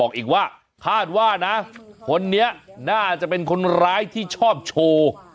อีกว่าคาดว่านะคนนี้น่าจะเป็นคนร้ายที่ชอบโชว์